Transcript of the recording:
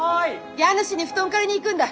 家主に布団借りに行くんだ。